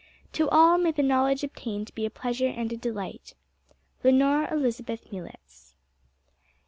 To all, may the knowledge obtained be a pleasure and a delight. LENORE ELIZABETH MULETS.